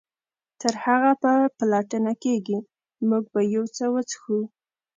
تر هغه چې پلټنه کیږي موږ به یو څه وڅښو